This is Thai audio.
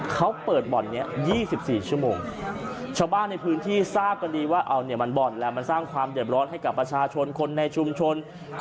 ก็ดีว่ามันบ่อนแล้วมันสร้างความเด็ดร้อนให้กับประชาชนคนในชุมชน